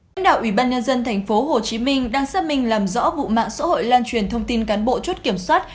lãnh đạo ủy ban nhân dân tp hcm đang xác minh làm rõ vụ mạng xã hội lan truyền thông tin cán bộ chốt kiểm soát